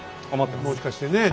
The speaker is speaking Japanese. もしかしてね。